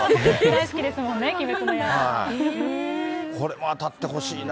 大好きですもんね、これも当たってほしいな。